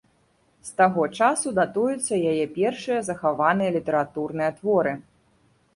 З таго часу датуюцца яе першыя захаваныя літаратурныя творы.